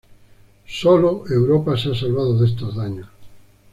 Solo "Europa" se ha salvado de estos daños.